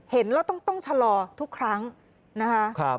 เห็นแล้วต้องชะลอทุกครั้งนะคะ